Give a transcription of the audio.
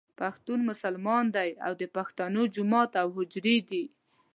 پښتون مسلمان دی او د پښتنو جوماتونه او حجرې دي.